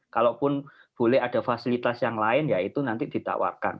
kalaupun boleh ada fasilitas yang lain ya itu nanti ditawarkan